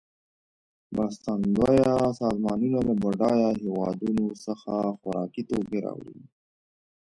مرستندویه سازمانونه له بډایه هېوادونو څخه خوارکي توکې راوړي.